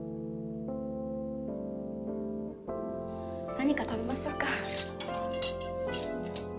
何か食べましょうか。